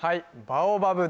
バオバブ？